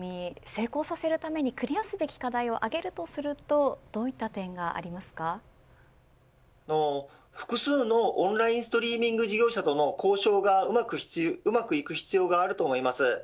成功させるためにクリアすべき課題を上げるとすれば複数のオンラインストリーミング事業者との交渉がうまくいく必要があると思います。